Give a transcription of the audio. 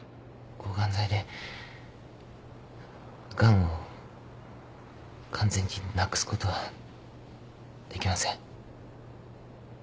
抗ガン剤でガンを完全になくすことはできません。